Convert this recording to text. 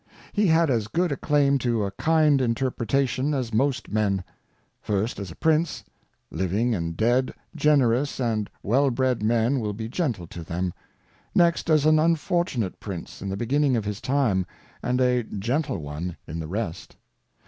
He had as good a Claim to a kind Interpretation as most Men. First as a Prince : living and dead, generous and well bred Men will be gentle to them ; next as an unfortunate Prince in the beginning of his Time, and a gentle one in the rest.